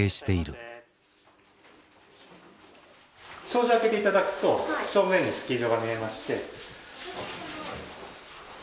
障子を開けていただくと正面にスキー場が見えまして。